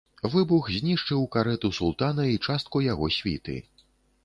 Выбух знішчыў карэту султана і частку яго світы.